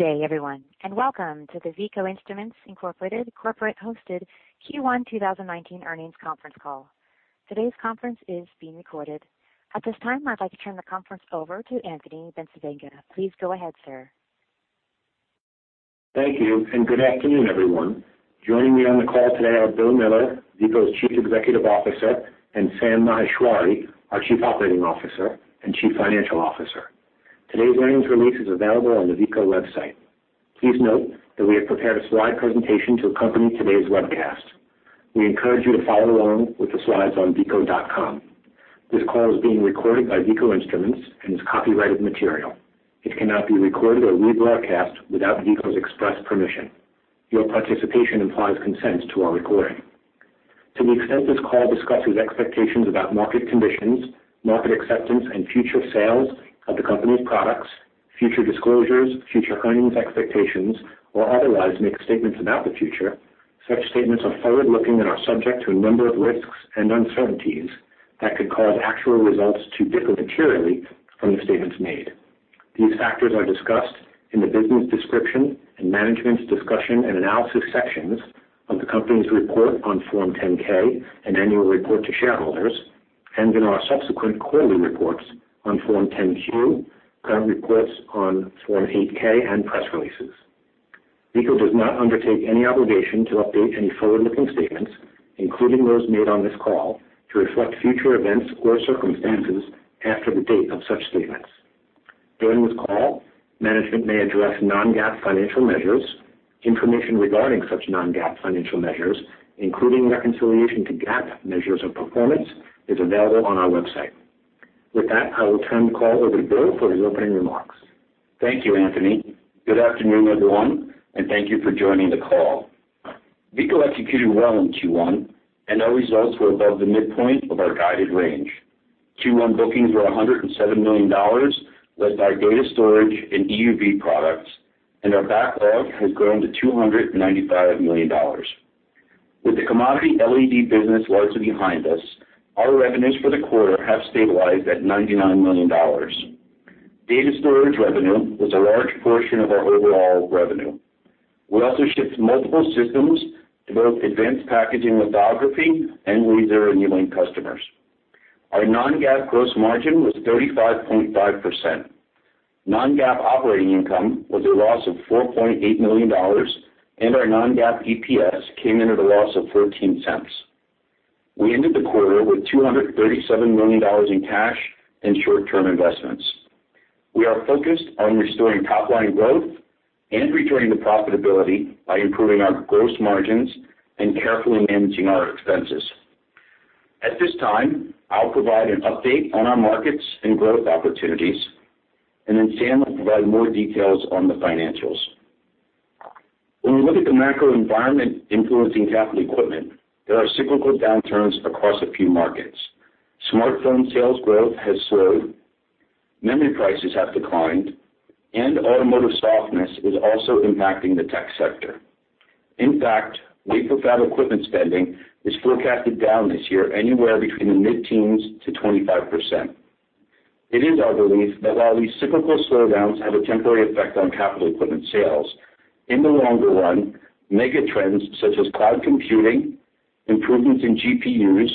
Good day everyone. Welcome to the Veeco Instruments Inc. corporate hosted Q1 2019 earnings conference call. Today's conference is being recorded. At this time, I'd like to turn the conference over to Anthony Bencivenga. Please go ahead, sir. Thank you. Good afternoon, everyone. Joining me on the call today are Bill Miller, Veeco's Chief Executive Officer, and Sam Maheshwari, our Chief Operating Officer and Chief Financial Officer. Today's earnings release is available on the Veeco website. Please note that we have prepared a slide presentation to accompany today's webcast. We encourage you to follow along with the slides on veeco.com. This call is being recorded by Veeco Instruments and is copyrighted material. It cannot be recorded or rebroadcast without Veeco's express permission. Your participation implies consent to our recording. To the extent this call discusses expectations about market conditions, market acceptance, and future sales of the company's products, future disclosures, future earnings expectations, or otherwise makes statements about the future, such statements are forward-looking and are subject to a number of risks and uncertainties that could cause actual results to differ materially from the statements made. These factors are discussed in the business description and management's discussion and analysis sections of the company's report on Form 10-K and annual report to shareholders, and in our subsequent quarterly reports on Form 10-Q, current reports on Form 8-K, and press releases. Veeco does not undertake any obligation to update any forward-looking statements, including those made on this call, to reflect future events or circumstances after the date of such statements. During this call, management may address non-GAAP financial measures. Information regarding such non-GAAP financial measures, including reconciliation to GAAP measures of performance, is available on our website. With that, I will turn the call over to Bill for his opening remarks. Thank you, Anthony. Good afternoon, everyone. Thank you for joining the call. Veeco executed well in Q1. Our results were above the midpoint of our guided range. Q1 bookings were $107 million, led by data storage and EUV products. Our backlog has grown to $295 million. With the commodity LED business largely behind us, our revenues for the quarter have stabilized at $99 million. Data storage revenue was a large portion of our overall revenue. We also shipped multiple systems to both advanced packaging lithography and laser annealing customers. Our non-GAAP gross margin was 35.5%. Non-GAAP operating income was a loss of $4.8 million. Our non-GAAP EPS came in at a loss of $0.13. We ended the quarter with $237 million in cash and short-term investments. We are focused on restoring top-line growth and returning to profitability by improving our gross margins and carefully managing our expenses. At this time, I'll provide an update on our markets and growth opportunities, then Sam will provide more details on the financials. When we look at the macro environment influencing capital equipment, there are cyclical downturns across a few markets. Smartphone sales growth has slowed, memory prices have declined, and automotive softness is also impacting the tech sector. In fact, wafer fab equipment spending is forecasted down this year anywhere between the mid-teens to 25%. It is our belief that while these cyclical slowdowns have a temporary effect on capital equipment sales, in the longer run, mega trends such as cloud computing, improvements in GPUs,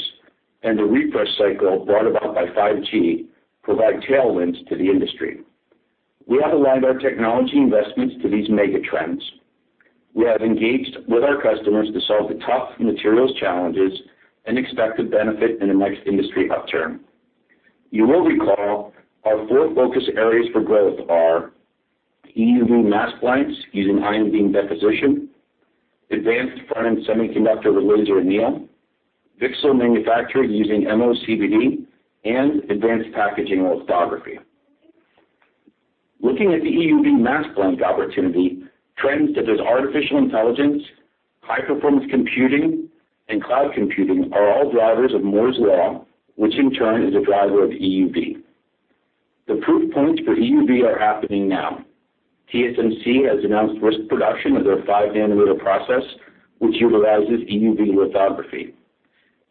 and the refresh cycle brought about by 5G provide tailwinds to the industry. We have aligned our technology investments to these mega trends. We have engaged with our customers to solve the tough materials challenges and expect to benefit in the next industry upturn. You will recall our four focus areas for growth are EUV mask blanks using ion beam deposition, advanced front-end semiconductor with laser anneal, VCSEL manufacturing using MOCVD, and advanced packaging lithography. Looking at the EUV mask blank opportunity, trends such as artificial intelligence, high performance computing, and cloud computing are all drivers of Moore's Law, which in turn is a driver of EUV. The proof points for EUV are happening now. TSMC has announced first production of their five nanometer process, which utilizes EUV lithography,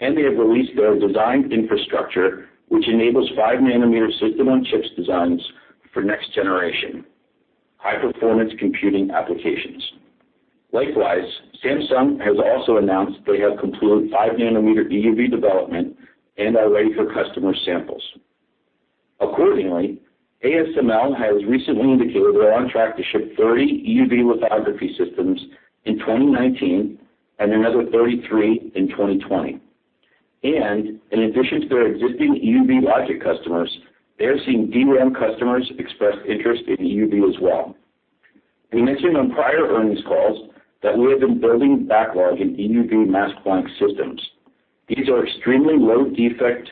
and they have released their design infrastructure, which enables five nanometer System-on-Chip designs for next generation high performance computing applications. Likewise, Samsung has also announced they have completed five nanometer EUV development and are ready for customer samples. Accordingly, ASML has recently indicated they're on track to ship 30 EUV lithography systems in 2019 and another 33 in 2020. In addition to their existing EUV logic customers, they are seeing DRAM customers express interest in EUV as well. We mentioned on prior earnings calls that we have been building backlog in EUV mask blank systems. These are extremely low defect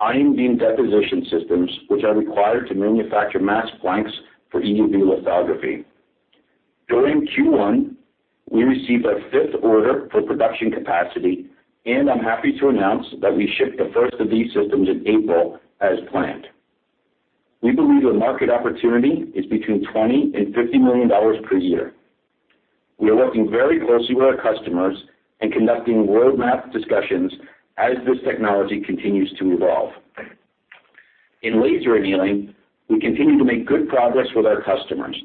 ion beam deposition systems, which are required to manufacture mask blanks for EUV lithography. During Q1, we received a fifth order for production capacity, and I'm happy to announce that we shipped the first of these systems in April as planned. We believe the market opportunity is between $20 and $50 million per year. We are working very closely with our customers and conducting roadmap discussions as this technology continues to evolve. In laser annealing, we continue to make good progress with our customers.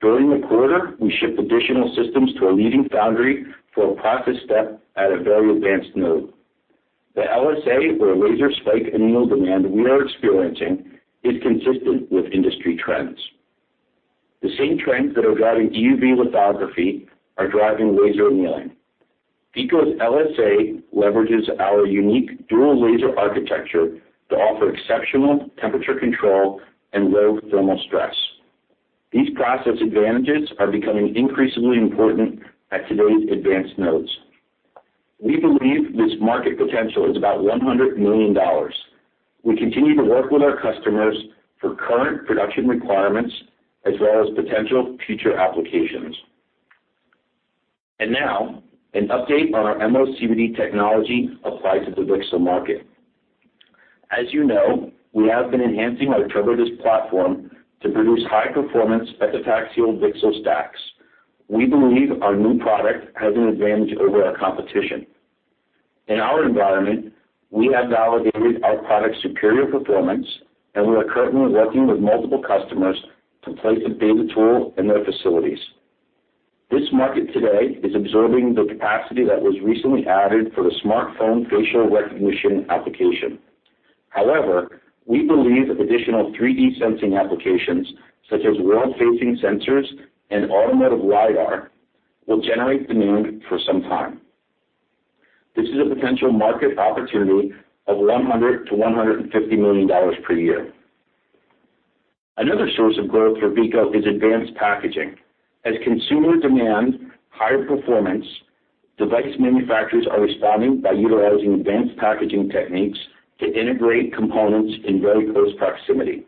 During the quarter, we shipped additional systems to a leading foundry for a process step at a very advanced node. The LSA, or laser spike anneal demand we are experiencing, is consistent with industry trends. The same trends that are driving EUV lithography are driving laser annealing. Veeco's LSA leverages our unique dual laser architecture to offer exceptional temperature control and low thermal stress. These process advantages are becoming increasingly important at today's advanced nodes. We believe this market potential is about $100 million. We continue to work with our customers for current production requirements, as well as potential future applications. Now, an update on our MOCVD technology applied to the VCSEL market. As you know, we have been enhancing our TurboDisc platform to produce high-performance epitaxial VCSEL stacks. We believe our new product has an advantage over our competition. In our environment, we have validated our product's superior performance, and we are currently working with multiple customers to place a beta tool in their facilities. This market today is absorbing the capacity that was recently added for the smartphone facial recognition application. However, we believe additional 3D sensing applications, such as world-facing sensors and automotive LiDAR, will generate demand for some time. This is a potential market opportunity of $100 million-$150 million per year. Another source of growth for Veeco is advanced packaging. As consumer demand higher performance, device manufacturers are responding by utilizing advanced packaging techniques to integrate components in very close proximity.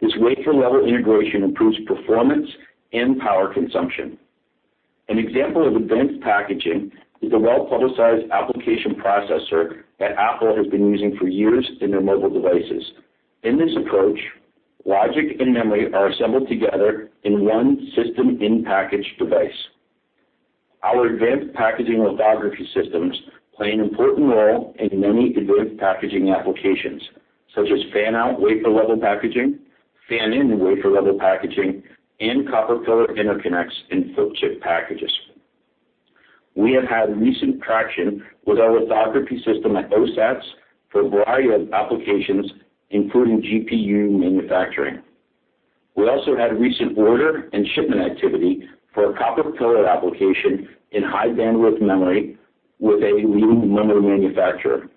This wafer level integration improves performance and power consumption. An example of advanced packaging is the well-publicized application processor that Apple has been using for years in their mobile devices. In this approach, logic and memory are assembled together in one System in Package device. Our advanced packaging lithography systems play an important role in many advanced packaging applications, such as fan-out wafer level packaging, fan-in wafer level packaging, and copper pillar interconnects in flip-chip packages. We have had recent traction with our lithography system at OSATs for a variety of applications, including GPU manufacturing. We also had recent order and shipment activity for a copper pillar application in High Bandwidth Memory with a leading memory manufacturer.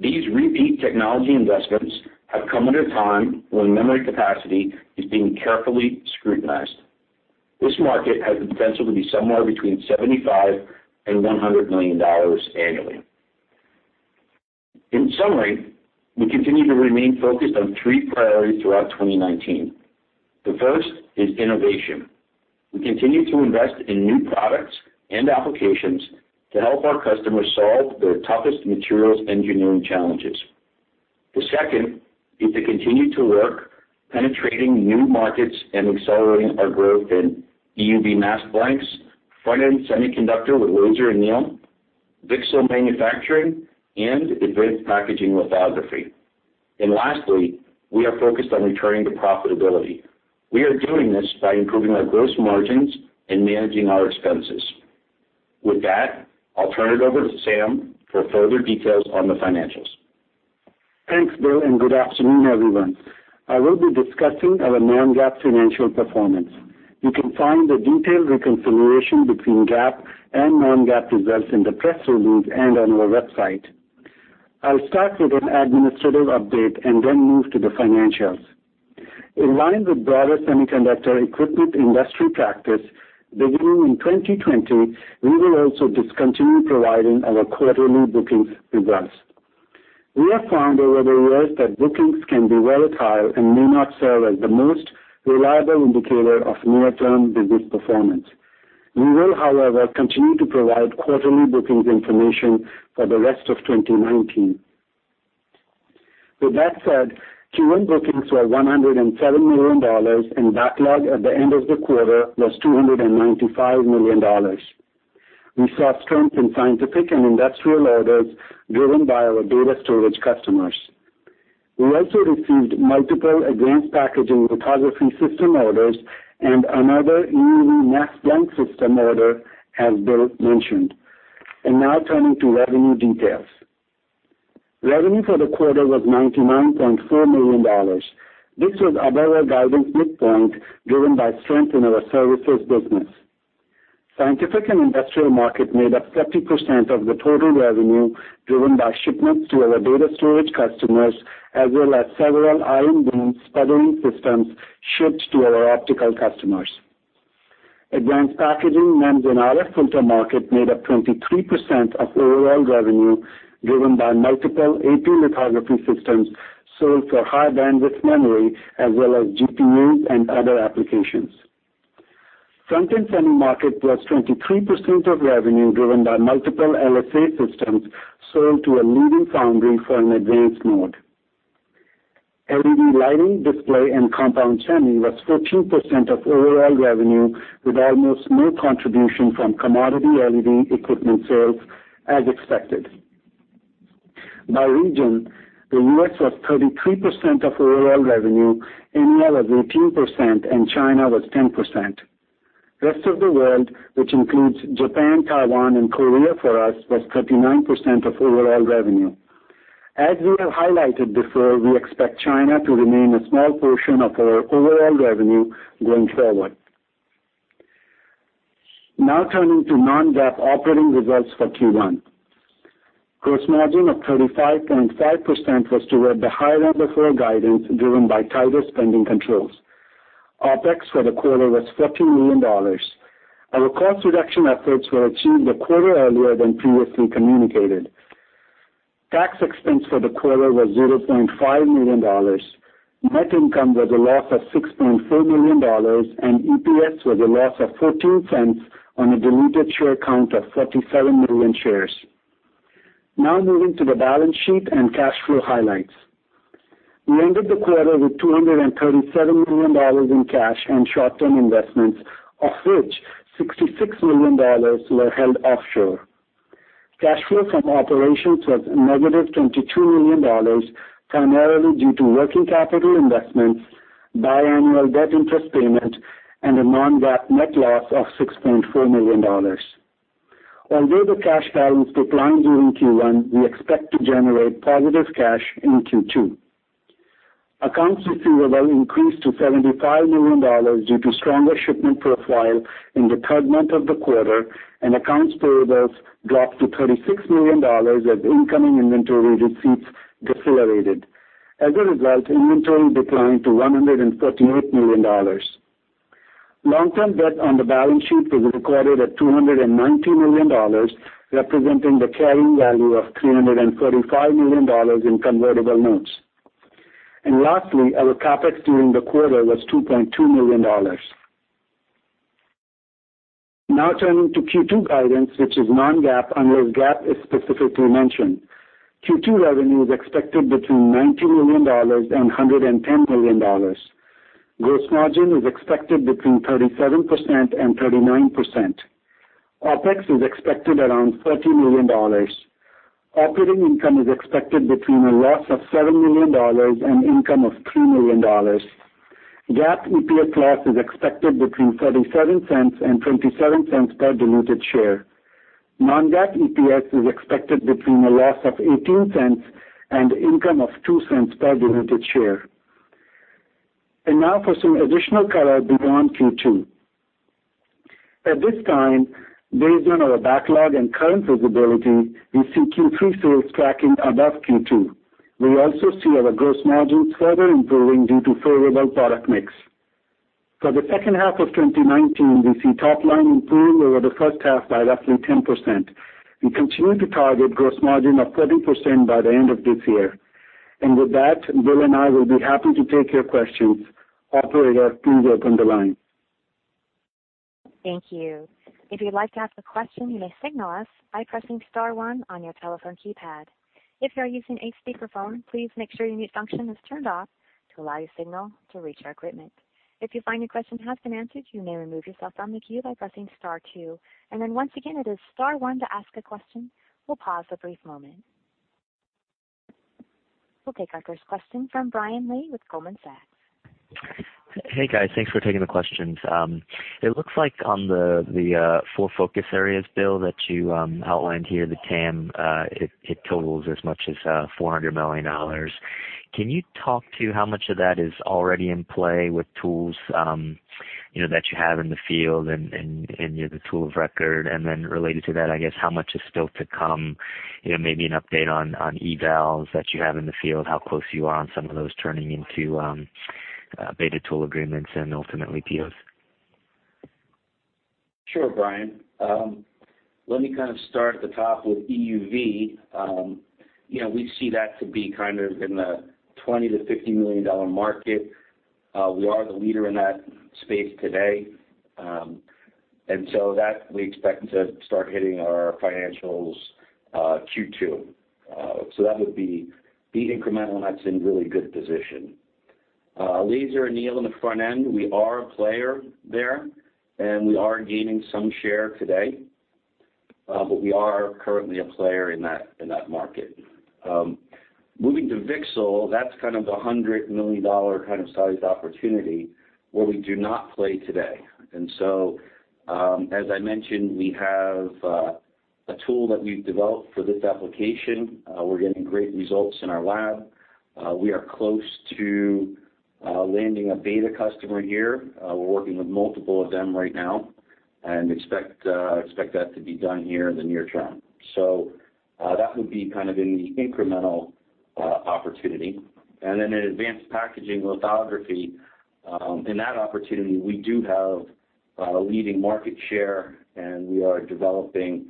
These repeat technology investments have come at a time when memory capacity is being carefully scrutinized. This market has the potential to be somewhere between $75 million and $100 million annually. In summary, we continue to remain focused on three priorities throughout 2019. The first is innovation. We continue to invest in new products and applications to help our customers solve their toughest materials engineering challenges. The second is to continue to work penetrating new markets and accelerating our growth in EUV mask blanks, front-end semiconductor with laser anneal, VCSEL manufacturing, and advanced packaging lithography. Lastly, we are focused on returning to profitability. We are doing this by improving our gross margins and managing our expenses. With that, I'll turn it over to Sam for further details on the financials. Thanks, Bill, and good afternoon, everyone. I will be discussing our non-GAAP financial performance. You can find the detailed reconciliation between GAAP and non-GAAP results in the press release and on our website. I'll start with an administrative update and then move to the financials. In line with broader semiconductor equipment industry practice, beginning in 2020, we will also discontinue providing our quarterly bookings results. We have found over the years that bookings can be volatile and may not serve as the most reliable indicator of near-term business performance. We will, however, continue to provide quarterly bookings information for the rest of 2019. With that said, quarterly bookings were $107 million, and backlog at the end of the quarter was $295 million. We saw strength in scientific and industrial orders driven by our data storage customers. We also received multiple advanced packaging lithography system orders and another EUV mask blank system order, as Bill mentioned. Now turning to revenue details. Revenue for the quarter was $99.4 million. This was above our guidance midpoint, driven by strength in our services business. Scientific and industrial market made up 70% of the total revenue, driven by shipments to our data storage customers, as well as several ion beam sputtering systems shipped to our optical customers. Advanced packaging and planar filter market made up 23% of overall revenue, driven by multiple AP lithography systems sold for High Bandwidth Memory as well as GPUs and other applications. Front-end semi market was 23% of revenue, driven by multiple LSA systems sold to a leading foundry for an advanced node. LED lighting, display, and compound semi was 14% of overall revenue, with almost no contribution from commodity LED equipment sales, as expected. By region, the U.S. was 33% of overall revenue, EMEA was 18%, and China was 10%. Rest of the world, which includes Japan, Taiwan, and Korea for us, was 39% of overall revenue. As we have highlighted before, we expect China to remain a small portion of our overall revenue going forward. Now turning to non-GAAP operating results for Q1. Gross margin of 35.5% was toward the high end of our guidance, driven by tighter spending controls. OPEX for the quarter was $14 million. Our cost reduction efforts were achieved a quarter earlier than previously communicated. Tax expense for the quarter was $0.5 million. Net income was a loss of $6.4 million, and EPS was a loss of $0.14 on a diluted share count of 37 million shares. Now moving to the balance sheet and cash flow highlights. We ended the quarter with $237 million in cash and short-term investments, of which $66 million were held offshore. Cash flow from operations was negative $22 million, primarily due to working capital investments, biannual debt interest payment, and a non-GAAP net loss of $6.4 million. Although the cash balance declined during Q1, we expect to generate positive cash in Q2. Accounts receivable increased to $75 million due to stronger shipment profile in the third month of the quarter, and accounts payables dropped to $36 million as incoming inventory receipts decelerated. As a result, inventory declined to $148 million. Long-term debt on the balance sheet is recorded at $290 million, representing the carrying value of $345 million in convertible notes. Lastly, our CapEx during the quarter was $2.2 million. Now turning to Q2 guidance, which is non-GAAP, unless GAAP is specifically mentioned. Q2 revenue is expected between $90 million-$110 million. Gross margin is expected between 37%-39%. OPEX is expected around $30 million. Operating income is expected between a loss of $7 million to income of $3 million. GAAP EPS loss is expected between $0.37 and $0.27 per diluted share. Non-GAAP EPS is expected between a loss of $0.18 and income of $0.02 per diluted share. Now for some additional color beyond Q2. At this time, based on our backlog and current visibility, we see Q3 sales tracking above Q2. We also see our gross margins further improving due to favorable product mix. For the second half of 2019, we see top line improving over the first half by roughly 10%. We continue to target gross margin of 40% by the end of this year. With that, Bill and I will be happy to take your questions. Operator, please open the line. Thank you. If you'd like to ask a question, you may signal us by pressing star one on your telephone keypad. If you are using a speakerphone, please make sure your mute function is turned off to allow your signal to reach our equipment. If you find your question has been answered, you may remove yourself from the queue by pressing star two. Once again, it is star one to ask a question. We'll pause a brief moment. We'll take our first question from Brian Lee with Goldman Sachs. Hey, guys. Thanks for taking the questions. It looks like on the four focus areas, Bill, that you outlined here, the TAM, it totals as much as $400 million. Can you talk to how much of that is already in play with tools that you have in the field and the tool of record? Related to that, I guess, how much is still to come, maybe an update on evals that you have in the field, how close you are on some of those turning into beta tool agreements and ultimately POs? Sure, Brian. Let me kind of start at the top with EUV. We see that to be kind of in the $20 million to $50 million market. We are the leader in that space today. That, we expect to start hitting our financials Q2. That would be incremental, and that's in really good position. Laser anneal on the front end, we are a player there, and we are gaining some share today, but we are currently a player in that market. Moving to VCSEL, that's kind of the $100 million kind of size opportunity where we do not play today. As I mentioned, we have a tool that we've developed for this application. We're getting great results in our lab. We are close to landing a beta customer here. We're working with multiple of them right now and expect that to be done here in the near term. That would be kind of in the incremental opportunity. In advanced packaging lithography, in that opportunity, we do have a leading market share, and we are developing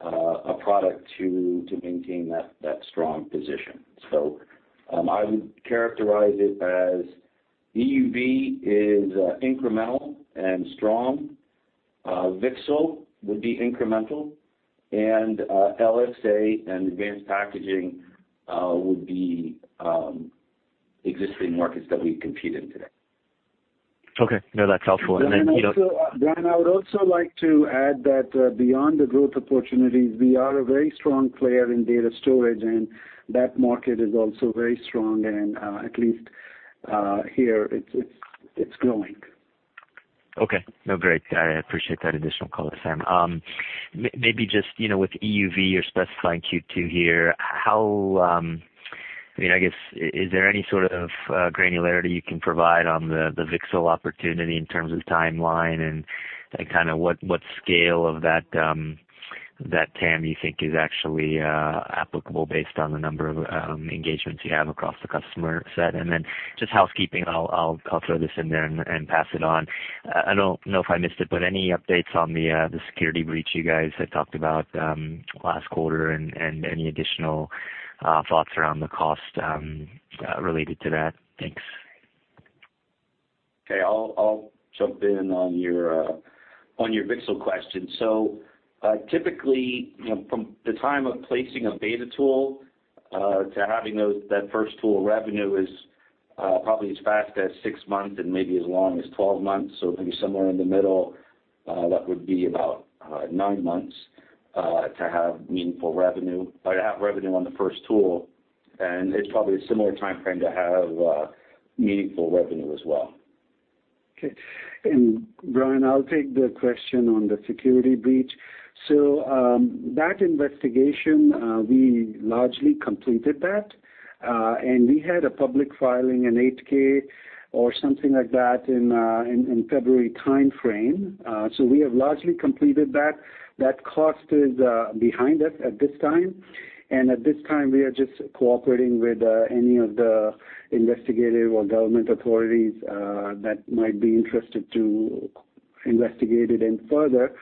a product to maintain that strong position. I would characterize it as EUV is incremental and strong. VCSEL would be incremental, and LSA and advanced packaging would be existing markets that we compete in today. Okay. No, that's helpful. Brian, I would also like to add that beyond the growth opportunities, we are a very strong player in data storage, and that market is also very strong and at least here, it's growing. Okay. No, great. I appreciate that additional color, Sam. Maybe just with EUV, you're specifying Q2 here. I guess, is there any sort of granularity you can provide on the VCSEL opportunity in terms of timeline and what scale of that TAM you think is actually applicable based on the number of engagements you have across the customer set? Just housekeeping, I'll throw this in there and pass it on. I don't know if I missed it, but any updates on the security breach you guys had talked about last quarter and any additional thoughts around the cost related to that? Thanks. Okay. I'll jump in on your VCSEL question. Typically, from the time of placing a beta tool, to having that first tool revenue is probably as fast as six months and maybe as long as 12 months. Maybe somewhere in the middle, that would be about nine months, to have meaningful revenue or to have revenue on the first tool. It's probably a similar timeframe to have meaningful revenue as well. Okay. Brian, I'll take the question on the security breach. That investigation, we largely completed that. We had a public filing, an 8-K or something like that in February timeframe. We have largely completed that. That cost is behind us at this time. At this time, we are just cooperating with any of the investigative or government authorities that might be interested to investigate it any further.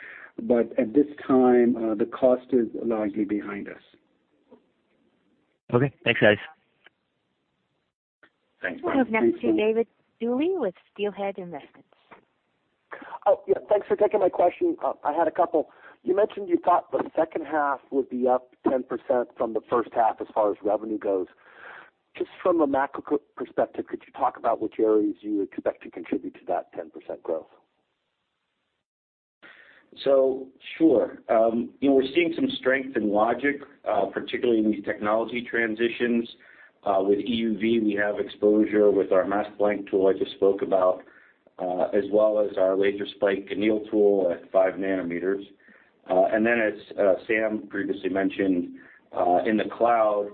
At this time, the cost is largely behind us. Okay. Thanks, guys. Thanks, Brian. We'll go next to David Duley with Steelhead Securities. Oh, yeah. Thanks for taking my question. I had a couple. You mentioned you thought the second half would be up 10% from the first half as far as revenue goes. Just from a macro perspective, could you talk about which areas you would expect to contribute to that 10% growth? Sure. We're seeing some strength in logic, particularly in these technology transitions. With EUV, we have exposure with our mask blank tool I just spoke about, as well as our laser spike anneal tool at 5 nm. Then as Sam previously mentioned, in the cloud,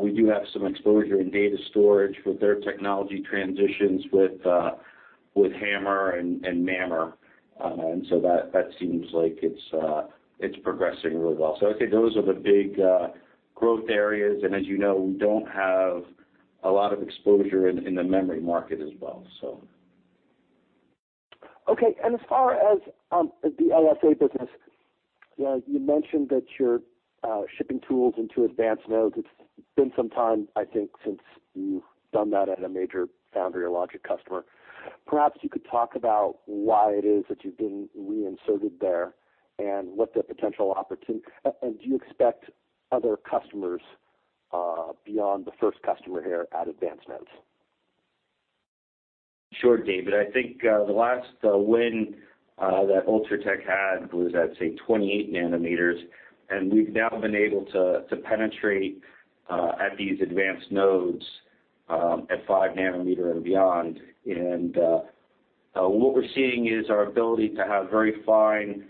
we do have some exposure in data storage with their technology transitions with HAMR and MAMR. That seems like it's progressing really well. I'd say those are the big growth areas, and as you know, we don't have a lot of exposure in the memory market as well. Okay. As far as the LSA business, you mentioned that you're shipping tools into advanced nodes. It's been some time, I think, since you've done that at a major foundry or logic customer. Perhaps you could talk about why it is that you've been reinserted there and what the potential opportunity. Do you expect other customers, beyond the first customer here at advanced nodes? Sure, David. I think, the last win that Ultratech had was at, say, 28 nanometers, we've now been able to penetrate at these advanced nodes, at five nanometer and beyond. What we're seeing is our ability to have very fine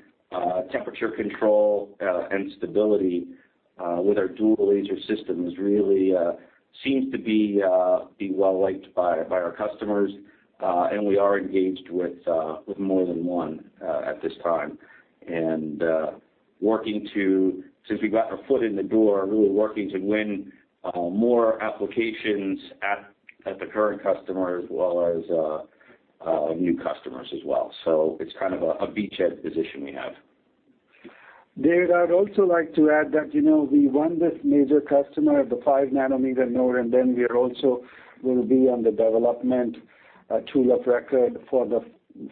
temperature control and stability with our dual laser systems really seems to be well-liked by our customers. We are engaged with more than one at this time. Since we got our foot in the door, we were working to win more applications at the current customer as well as new customers as well. It's kind of a beachhead position we have. David, I'd also like to add that we won this major customer of the 5-nanometer node, then we also will be on the development tool of record for the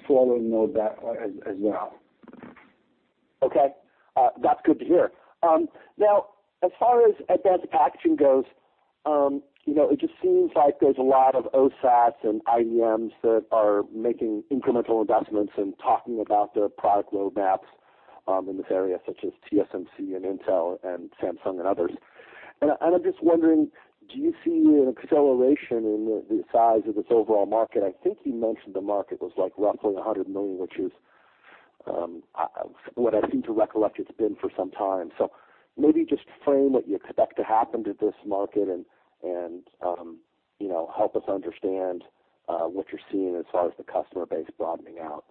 following node as well. Okay. That's good to hear. Now as far as advanced packaging goes, it just seems like there's a lot of OSATs and IDMs that are making incremental investments and talking about their product roadmaps in this area, such as TSMC and Intel and Samsung and others. I'm just wondering, do you see an acceleration in the size of this overall market? I think you mentioned the market was like roughly $100 million, which is what I seem to recollect it's been for some time. Maybe just frame what you expect to happen to this market and help us understand what you're seeing as far as the customer base broadening out.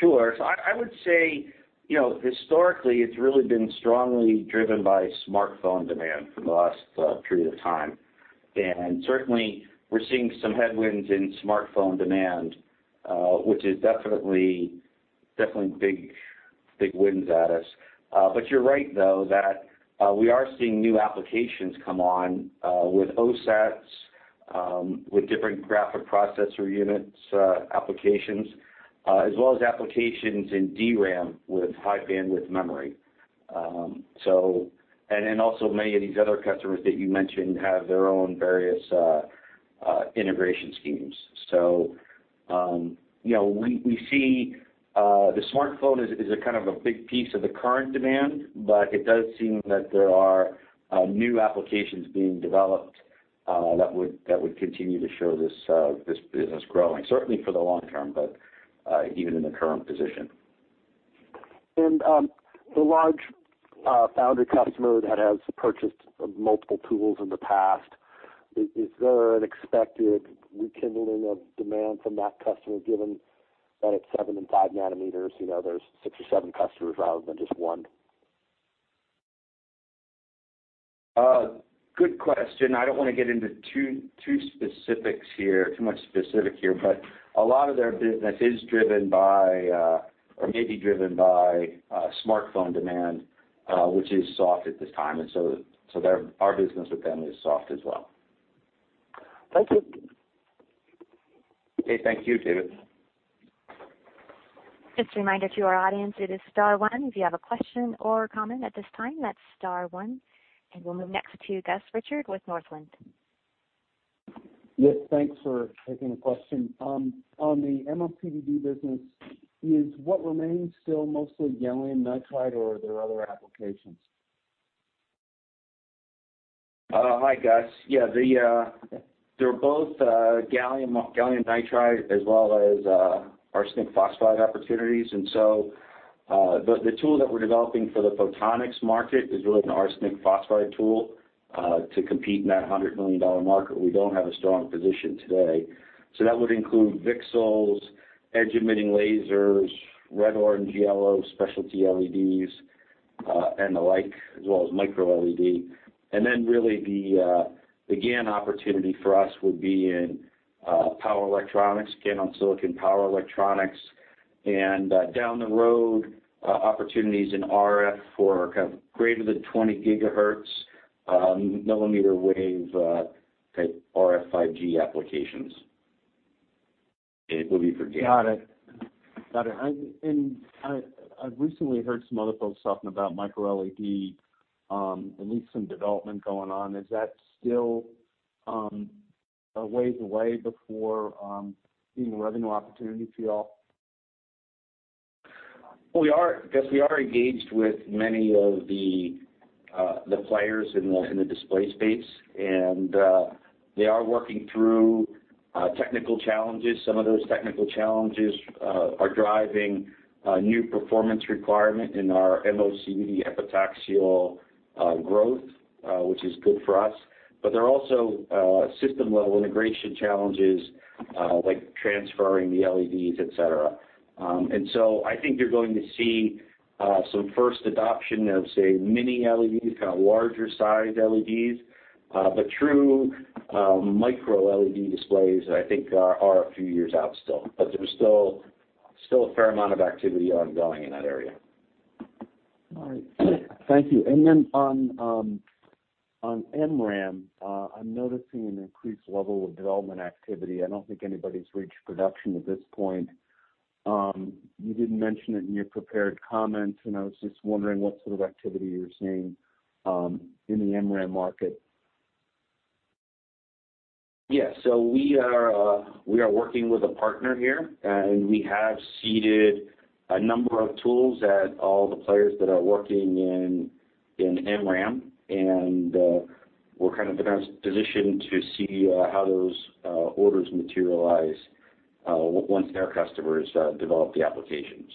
Sure. I would say, historically, it's really been strongly driven by smartphone demand for the last period of time. Certainly, we're seeing some headwinds in smartphone demand, which is definitely big winds at us. You're right, though, that we are seeing new applications come on, with OSATs, with different graphic processor units applications, as well as applications in DRAM with High Bandwidth Memory. Then also many of these other customers that you mentioned have their own various integration schemes. We see the smartphone as a kind of a big piece of the current demand, but it does seem that there are new applications being developed that would continue to show this business growing, certainly for the long term, but even in the current position. The large founder customer that has purchased multiple tools in the past, is there an expected rekindling of demand from that customer given that it's 7 nm and 5 nm? There's six or seven customers rather than just one. Good question. I don't want to get into too much specific here, but a lot of their business is driven by or may be driven by smartphone demand, which is soft at this time. So our business with them is soft as well. Thank you. Okay. Thank you, David. Just a reminder to our audience, it is star one. If you have a question or a comment at this time, that's star one. We'll move next to Gus Richard with Northland. Yes, thanks for taking the question. On the MOCVD business, is what remains still mostly gallium nitride, or are there other applications? Hi, Gus. Yeah, they're both gallium nitride as well as arsenic phosphide opportunities. The tool that we're developing for the photonics market is really an arsenic phosphide tool to compete in that $100 million market. We don't have a strong position today. So that would include VCSELs, edge-emitting lasers, red, orange, yellow, specialty LEDs, and the like, as well as MicroLED. Really the GaN opportunity for us would be in power electronics, again, on silicon power electronics, and down the road, opportunities in RF for kind of greater than 20 GHz, millimeter wave type RF 5G applications. It will be for GaN. Got it. I've recently heard some other folks talking about MicroLED, at least some development going on. Is that still a ways away before being a revenue opportunity for you all? Gus, we are engaged with many of the players in the display space, and they are working through technical challenges. Some of those technical challenges are driving a new performance requirement in our MOCVD epitaxial growth, which is good for us. There are also system-level integration challenges, like transferring the LEDs, et cetera. I think you're going to see some first adoption of, say, Mini LED, kind of larger size LEDs. True MicroLED displays, I think are a few years out still. There's still a fair amount of activity ongoing in that area. All right. Thank you. Then on MRAM, I'm noticing an increased level of development activity. I don't think anybody's reached production at this point. You didn't mention it in your prepared comments, and I was just wondering what sort of activity you're seeing in the MRAM market. Yeah. We are working with a partner here, and we have seeded a number of tools at all the players that are working in MRAM, and we're kind of positioned to see how those orders materialize once their customers develop the applications.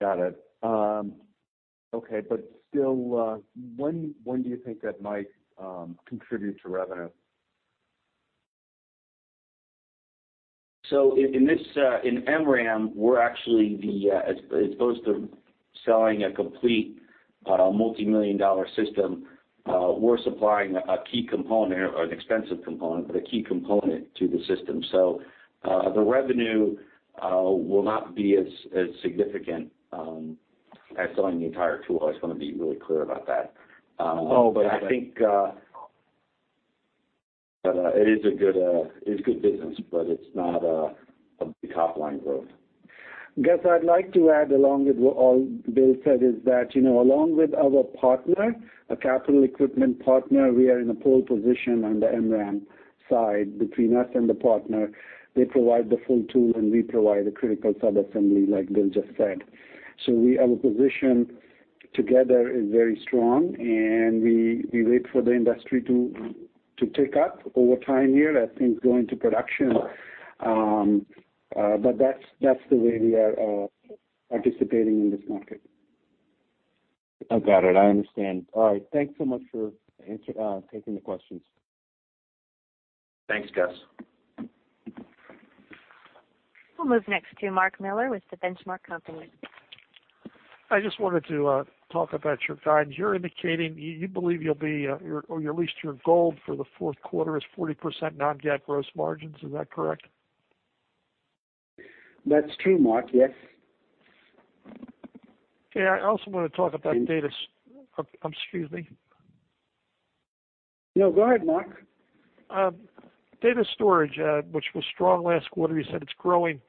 Got it. Okay. Still, when do you think that might contribute to revenue? In MRAM, as opposed to selling a complete multimillion-dollar system, we're supplying a key component, an expensive component, but a key component to the system. The revenue will not be as significant as selling the entire tool. I just want to be really clear about that. Oh, okay. It is good business, but it's not a big top-line growth. Gus, I'd like to add along with what Bill said is that, along with our partner, a capital equipment partner, we are in a pole position on the MRAM side between us and the partner. They provide the full tool, and we provide the critical sub-assembly, like Bill just said. Our position together is very strong, and we wait for the industry to take up over time here as things go into production. That's the way we are participating in this market. I got it. I understand. All right. Thanks so much for taking the questions. Thanks, Gus. We'll move next to Mark Miller with The Benchmark Company. I just wanted to talk about your guidance. You're indicating you believe you'll be, or at least your goal for the fourth quarter is 40% non-GAAP gross margins. Is that correct? That's true, Mark. Yes. Okay. I also want to talk about Excuse me. No, go ahead, Mark. Data storage, which was strong last quarter, you said it's growing.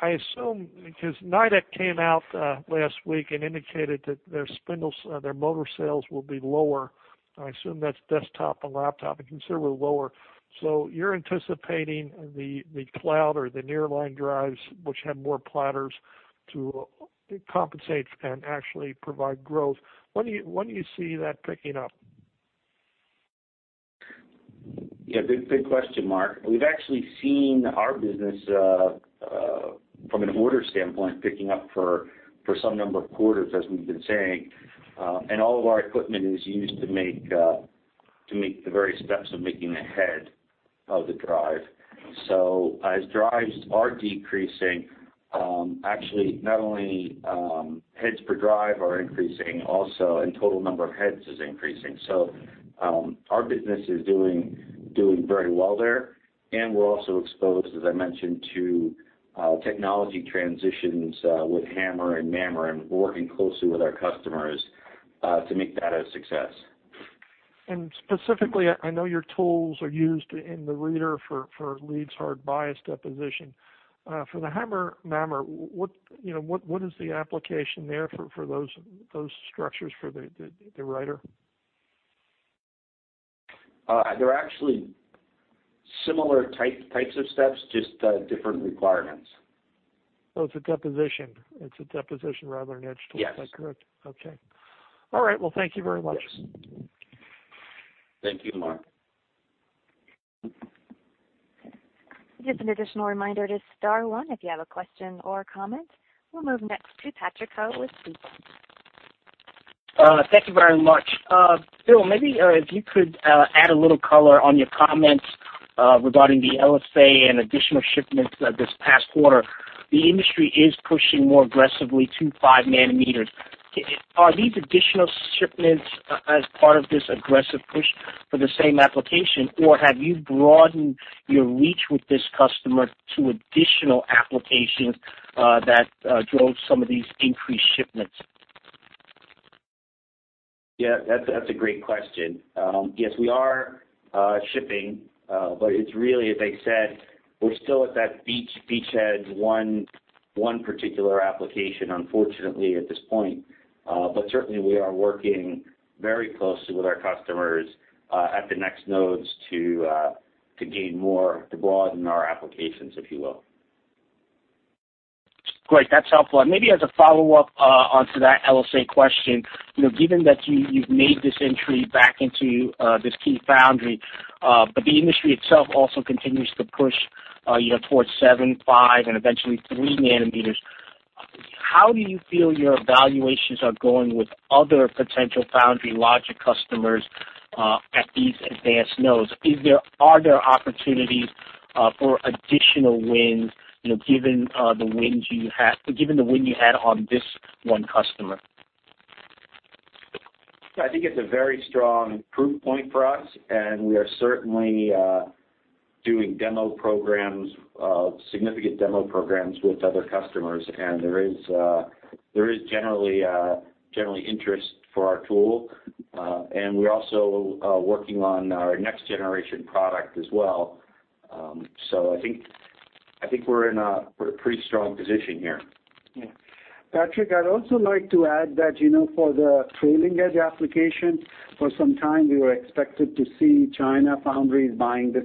I assume, because Nidec came out last week and indicated that their motor sales will be lower, and I assume that's desktop and laptop, and considerably lower. You're anticipating the cloud or the near line drives, which have more platters to compensate and actually provide growth. When do you see that picking up? Good question, Mark. We've actually seen our business, from an order standpoint, picking up for some number of quarters, as we've been saying. All of our equipment is used to make the very steps of making the head of the drive. As drives are decreasing, actually not only heads per drive are increasing also, and total number of heads is increasing. Our business is doing very well there, and we're also exposed, as I mentioned, to technology transitions with HAMR and MAMR, and working closely with our customers to make that a success. Specifically, I know your tools are used in the reader for leads hard bias deposition. For the HAMR, MAMR, what is the application there for those structures for the writer? They're actually similar types of steps, just different requirements. It's a deposition. It's a deposition rather than etch tool. Yes. Is that correct? Okay. All right. Well, thank you very much. Yes. Thank you, Mark. Just an additional reminder to star one if you have a question or comment. We'll move next to Patrick Ho with Stifel. Thank you very much. Bill, maybe if you could add a little color on your comments regarding the LSA and additional shipments this past quarter. The industry is pushing more aggressively to five nanometers. Are these additional shipments as part of this aggressive push for the same application, or have you broadened your reach with this customer to additional applications that drove some of these increased shipments? Yes, that's a great question. Yes, we are shipping, it's really, as I said, we're still at that beachhead one particular application, unfortunately, at this point. Certainly, we are working very closely with our customers at the next nodes to gain more, to broaden our applications, if you will. Great. That's helpful. Maybe as a follow-up onto that LSA question, given that you've made this entry back into this key foundry, the industry itself also continues to push towards 7 nm, 5 nm, and eventually 3 nanometers, how do you feel your evaluations are going with other potential foundry logic customers at these advanced nodes? Are there opportunities for additional wins, given the win you had on this one customer? I think it's a very strong proof point for us, we are certainly doing significant demo programs with other customers, there is generally interest for our tool. We're also working on our next generation product as well. I think we're in a pretty strong position here. Patrick, I'd also like to add that for the trailing edge application, for some time, we were expected to see China foundries buying this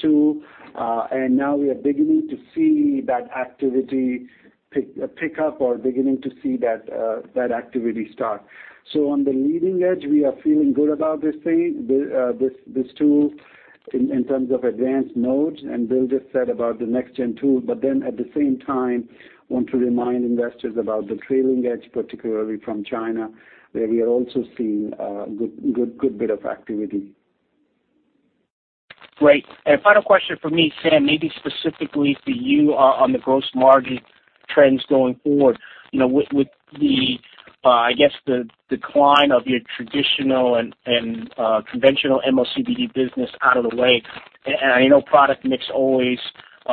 tool, now we are beginning to see that activity pick up or beginning to see that activity start. On the leading edge, we are feeling good about this tool in terms of advanced nodes, Bill just said about the next gen tool, at the same time, want to remind investors about the trailing edge, particularly from China, where we are also seeing a good bit of activity. Great. Final question from me, Sam, maybe specifically to you on the gross margin trends going forward. With the decline of your traditional and conventional MOCVD business out of the way, I know product mix always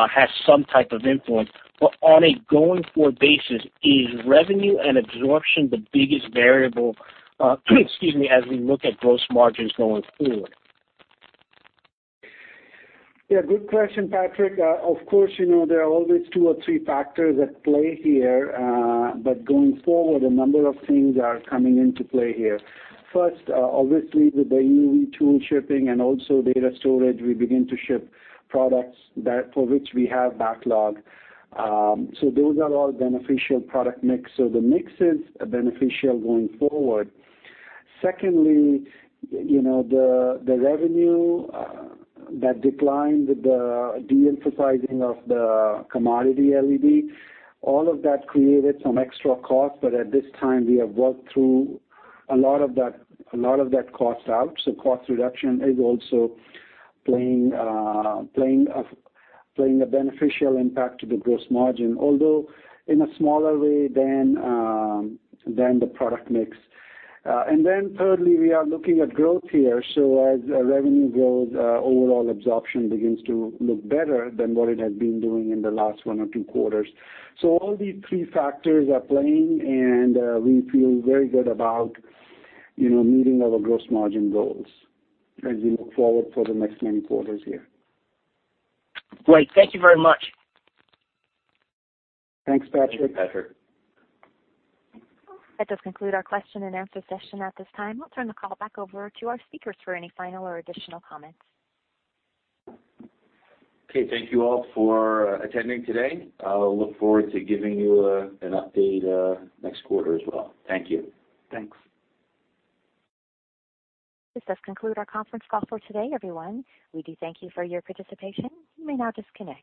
has some type of influence, but on a going forward basis, is revenue and absorption the biggest variable excuse me, as we look at gross margins going forward? Yeah. Good question, Patrick. Of course, there are always two or three factors at play here. Going forward, a number of things are coming into play here. First, obviously, with the EUV tool shipping and also data storage, we begin to ship products for which we have backlog. Those are all beneficial product mix. The mix is beneficial going forward. Secondly, the revenue that declined with the de-emphasizing of the commodity LED, all of that created some extra cost, but at this time we have worked through a lot of that cost out. Cost reduction is also playing a beneficial impact to the gross margin, although in a smaller way than the product mix. Thirdly, we are looking at growth here. As revenue grows, overall absorption begins to look better than what it had been doing in the last one or two quarters. All these three factors are playing, and we feel very good about meeting our gross margin goals as we look forward for the next many quarters here. Great. Thank you very much. Thanks, Patrick. Thank you, Patrick. That does conclude our question and answer session at this time. I'll turn the call back over to our speakers for any final or additional comments. Okay. Thank you all for attending today. I'll look forward to giving you an update next quarter as well. Thank you. Thanks. This does conclude our conference call for today, everyone. We do thank you for your participation. You may now disconnect.